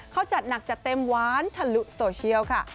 เขาจัดหนักจัดเต็มหวานทะลุโซเชียลค่ะ